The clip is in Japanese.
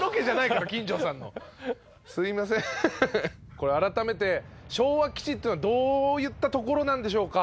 これ改めて昭和基地っていうのはどういった所なんでしょうか？